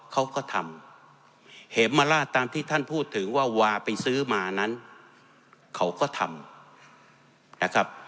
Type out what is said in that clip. เขาก็ทำเหมราชตามที่ท่านพูดถึงว่าวาไปซื้อมานั้นเขาก็ทำนะครับ